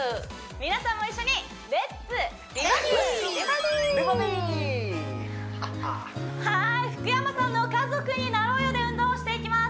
皆さんも一緒にハッハーはい福山さんの「家族になろうよ」で運動をしていきます